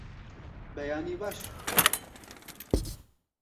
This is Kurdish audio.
Beyanî baş!